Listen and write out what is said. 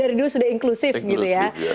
dari dulu sudah inklusif gitu ya